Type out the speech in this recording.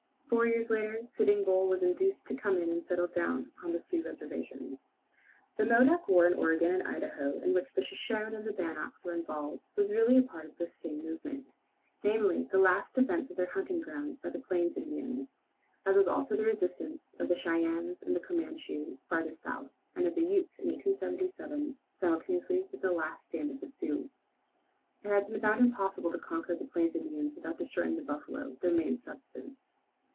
Four years later Sitting Bull was induced to come in and settle down upon the Sioux reservation. The Modoc war in Oregon and Idaho, in which the Shoshones and Bannocks were involved, was really a part of this same movement namely, the last defence of their hunting grounds by the Plains Indians, as was also the resistance of the Cheyennes and Comanches farther south, and of the Utes in 1877, simultaneously with the last stand of the Sioux. It had been found impossible to conquer the Plains Indians without destroying the buffalo, their main subsistence.